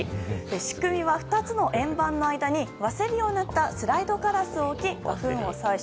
仕組みは２つの円盤の間にワセリンを塗ったスライドガラスを置き花粉を採取。